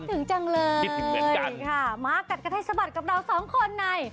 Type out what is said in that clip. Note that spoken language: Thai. คิดถึงจังเลยคิดถึงเหมือนกันค่ะมากัดกระเทศบัตรกับเราสองคนใน